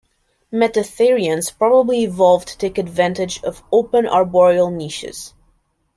Metatherians probably evolved to take advantage of open arboreal niches.